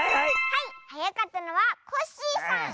はいはやかったのはコッシーさん！